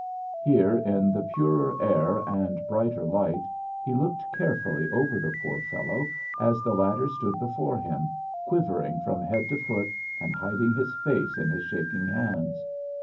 Here in the purer air and brighter light he looked carefully over the poor fellow, as the latter stood before him quivering from head to foot and hiding his face in his shaking hands.